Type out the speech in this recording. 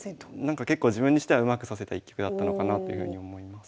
結構自分にしてはうまく指せた一局だったのかなというふうに思います。